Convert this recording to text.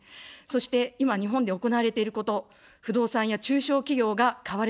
そして今、日本で行われていること、不動産や中小企業が買われています。